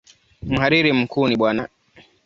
Mhariri mkuu ni Bw.